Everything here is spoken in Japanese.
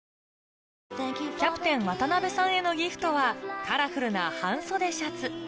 キャプテン渡辺さんへのギフトはカラフルな半袖シャツ